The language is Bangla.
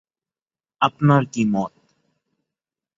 আপনার কী মত?